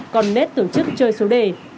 còn nết tổ chức chơi số đề